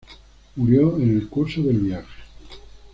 Murió en el curso del viaje.